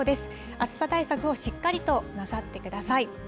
暑さ対策をしっかりとなさってください。